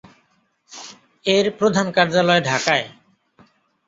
এর প্রধান কার্যালয় ঢাকায়।